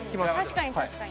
確かに確かに。